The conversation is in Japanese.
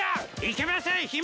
いけません姫！